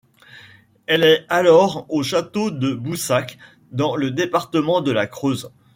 Elle est alors au château de Boussac, dans le département de la Creuse.